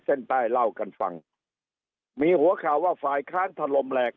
เส้นใต้เล่ากันฟังมีหัวข่าวว่าฝ่ายค้านถล่มแหลก